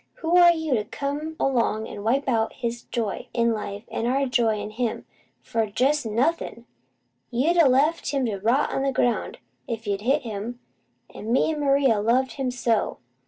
Who are you, to come 'long an' wipe out his joy in life, an' our joy in him, for jest nothin'? You'd a left him to rot on the ground, if you'd a hit him; an' me an' Maria's loved him so!